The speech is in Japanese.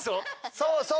そうそう！